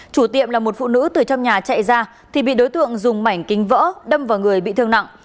chủ tiệm là một phụ nữ từ trong nhà chạy ra thì bị đối tượng dùng mảnh kính vỡ đâm vào người bị thương nặng